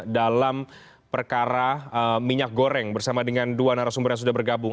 dalam perkara minyak goreng bersama dengan dua narasumber yang sudah bergabung